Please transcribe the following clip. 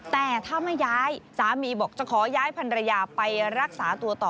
แต่ถ้าไม่ย้ายสามีบอกจะขอย้ายพันรยาไปรักษาตัวต่อ